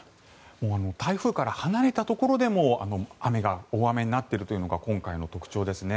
台風から離れたところでも雨が大雨になっているのが今回の特徴ですね。